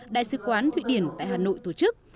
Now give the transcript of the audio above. đại sứ quán thụy điển tại hà nội tổ chức